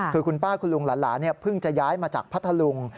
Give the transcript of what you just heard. คือคุณป้าคุณลุงหลานเพิ่งจะย้ายมาจากพัทธลุง